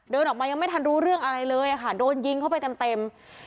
เดินออกมายังไม่ทันรู้เรื่องอะไรเลยค่ะโดนยิงเข้าไปเต็ม